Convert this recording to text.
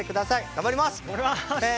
頑張ります！